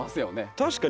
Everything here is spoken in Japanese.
確かに。